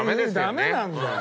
ダメなんだよ。